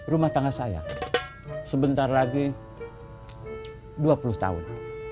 rumah tangga saya sebentar lagi dua puluh tahun